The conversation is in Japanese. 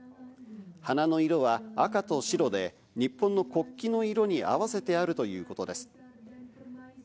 花の色は赤と白で日本の国旗の色に合わせてあるということです。